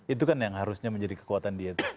itu kan yang harusnya menjadi kekuatan dia itu